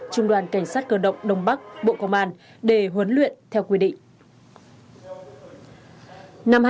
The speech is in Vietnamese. trung đoàn cảnh sát cơ động đông bắc bộ công an để huấn luyện theo quy định